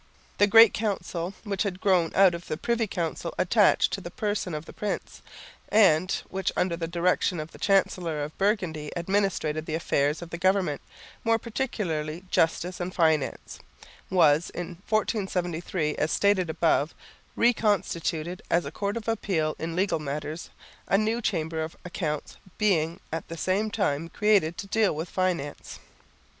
The Great Council, which had grown out of the Privy Council attached to the person of the prince, and which under the direction of the Chancellor of Burgundy administered the affairs of the government, more particularly justice and finance, was in 1473, as stated above, re constituted as a Court of Appeal in legal matters, a new Chamber of Accounts being at the same time created to deal with finance.